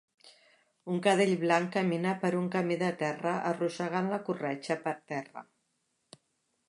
Un cadell blanc camina per un camí de terra arrossegant la corretja per terra.